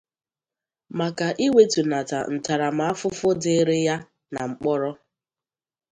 maka ịwetunata ntaramafụfụ dịrị ya na mkpọrọ.